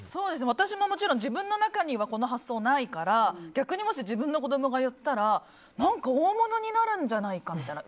私も自分の中にはこの発想、ないから逆に自分の子供が言ったら何か大物になるんじゃないかみたいな。